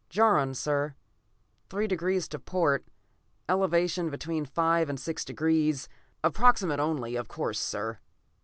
"Jaron, sir. Three degrees to port; elevation between five and six degrees. Approximate only, of course, sir."